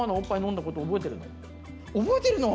覚えてるの？